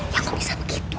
ya kok bisa begitu